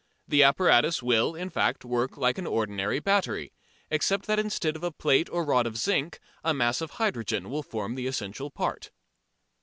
The apparatus will, in fact, work like an ordinary battery, except that instead of a plate or rod of zinc a mass of hydrogen will form the essential part.